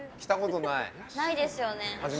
ないですよね。